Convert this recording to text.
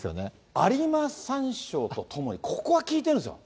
有馬山椒と共に、ここはきいてるんですよ。